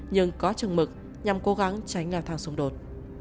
nhưng có chừng mực nhằm cố gắng tránh leo thang xung đột